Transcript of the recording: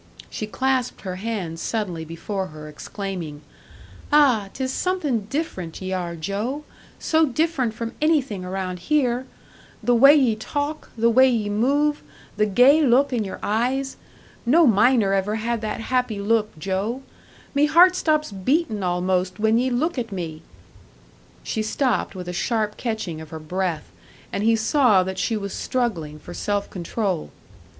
She clasped her hands suddenly before her, exclaiming, "Ah, 'tis something different ye are, Joe so different from anything around here! The way ye talk, the way ye move, the gay look in your eyes! No miner ever had that happy look, Joe; me heart stops beatin' almost when ye look at me!" She stopped with a sharp catching of her breath, and he saw that she was struggling for self control.